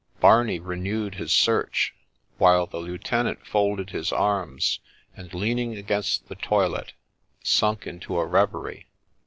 Barney renewed his search, while the lieutenant folded his arms, and, leaning against the toilet, sunk into a reverie.